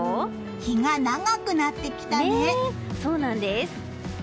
日が長くなってきたね！